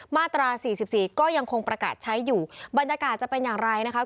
มาตรา๔๔ก็ยังคงประกาศใช้อยู่บรรยากาศจะเป็นอย่างไรนะคะ